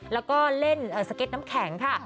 แล้วก็เล่นสเก็ตน้ำแข็งค่ะ